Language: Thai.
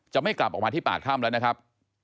ไม่กลับออกมาที่ปากถ้ำแล้วนะครับ